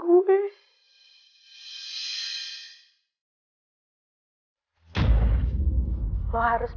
dia menarik kita